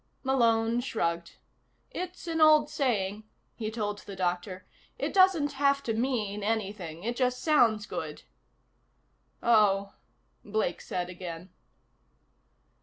Malone shrugged. "It's an old saying," he told the doctor. "It doesn't have to mean anything. It just sounds good." "Oh," Blake said again.